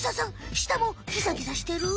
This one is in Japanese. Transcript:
したもギザギザしてる！？